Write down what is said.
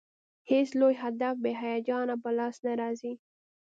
هېڅ لوی هدف بې هیجانه په لاس نه راځي.